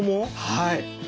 はい。